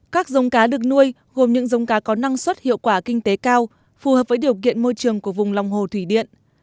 các giống cá được nuôi gồm những giống cá có năng suất hiệu quả kinh tế cao phù hợp với điều kiện môi trường của vùng lòng hồ thủy điện